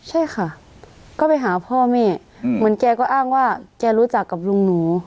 ใช่ค่ะก็ไปหาพ่อแม่เหมือนแกก็อ้างว่าแกรู้จักกับลุงหนู